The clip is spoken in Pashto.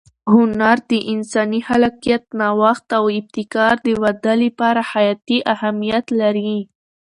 هنر د انساني خلاقیت، نوښت او ابتکار د وده لپاره حیاتي اهمیت لري.